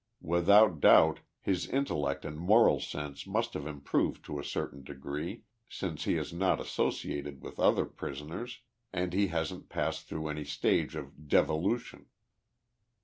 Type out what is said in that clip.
Without doubt, his intellect and moral sense must have improved to a certain degree, since he has not associated with other prisoners, and he hasn't passed through any stage of 1 devolution.